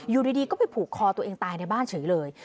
อยู่ดีก็ไปผูกคอตัวเองตายในบ้านเฉยเลย